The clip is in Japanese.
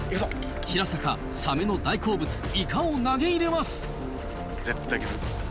平坂サメの大好物イカを投げ入れます。